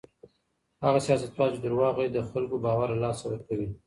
هغه سياستوال چي درواغ وايي د خلګو باور له لاسه ورکوي.